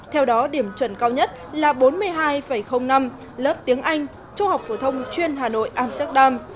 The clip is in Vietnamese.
theo đó điểm chuẩn cao nhất là bốn mươi hai năm lớp tiếng anh trung học phổ thông chuyên hà nội amsterdam